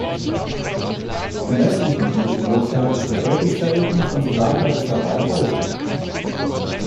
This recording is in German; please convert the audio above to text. Im westlichen Indischen Ozean ist er relativ selten, von Sri Lanka bis Hawaii häufig.